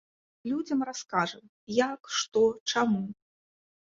Людзям раскажам, як, што, чаму.